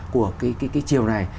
của cái chiều này